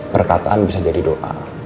perkataan bisa jadi doa